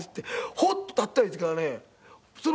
ホッと立った位置からね。